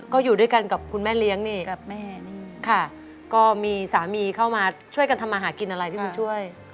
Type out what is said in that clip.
ก็อยู่ด้วยกันกับคุณแม่เลี้ยงนี่กับแม่นี่ค่ะก็มีสามีเข้ามาช่วยกันทำมาหากินอะไรพี่บุญช่วย